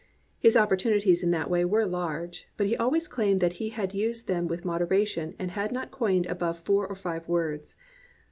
His opportunities in that way were large, but he always claimed that he had used them with moderation and had not coined above four or five words.